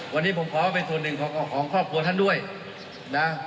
วันนี้ผมขอเป็นส่วนหนึ่งของครอบครัวท่านด้วยนะ